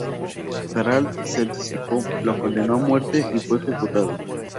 Harald se anticipó, lo condenó a muerte y fue ejecutado.